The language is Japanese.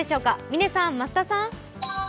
嶺さん、増田さん。